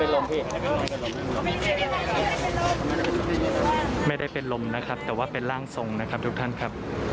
ไม่ได้เป็นลมไม่ได้เป็นลมนะครับแต่ว่าเป็นร่างทรงนะครับทุกท่านครับ